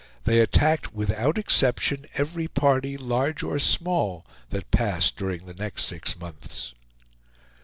They attacked, without exception, every party, large or small, that passed during the next six months.